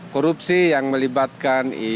korupsi yang melibatkan